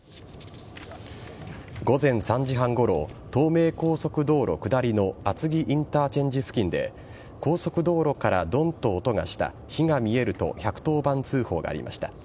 午前３時半ごろ東名高速道路下りの厚木インターチェンジ付近で高速道路からドンと音がした火が見えると１１０番通報がありました。